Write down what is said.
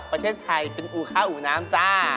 ประเทศไทยเป็นอูค่าอู่น้ำจ้า